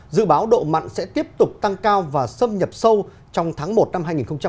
dự báo độ mặn sẽ tiếp tục tăng cao và xâm nhập sâu trong tháng một năm hai nghìn hai mươi